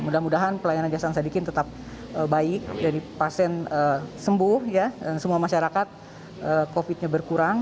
mudah mudahan pelayanan tansan sadikin tetap baik jadi pasien sembuh semua masyarakat covid sembilan belas berkurang